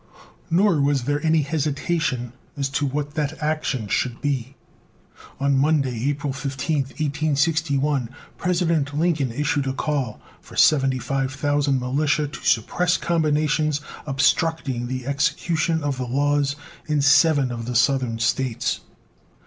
Nor was there any hesitation as to what that action should be. On Monday, April 15, 1861, President Lincoln issued a call for seventy five thousand militia to suppress combinations obstructing the execution of the laws in seven of the Southern states.